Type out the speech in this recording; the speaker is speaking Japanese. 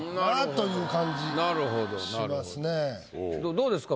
どうですか？